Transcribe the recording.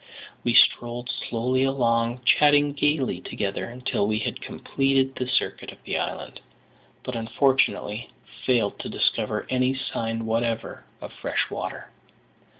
We strolled slowly along, chatting gaily together, until we had completed the circuit of the island; but, unfortunately, failed to discover any sign whatever of fresh water.